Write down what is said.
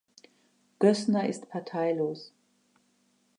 Gössner ist parteilos.